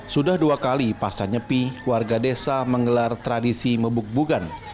sudah dua kali pasca nyepi warga desa menggelar tradisi mebuk bugan